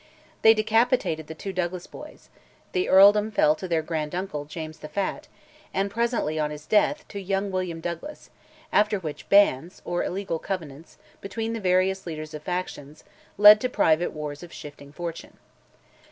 They decapitated the two Douglas boys; the earldom fell to their granduncle, James the Fat, and presently, on his death (1443), to young William Douglas, after which "bands," or illegal covenants, between the various leaders of factions, led to private wars of shifting fortune.